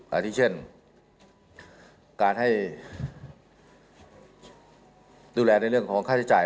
อันนี้เช่นการให้ดูแลในเรื่องของค่าใช้จ่าย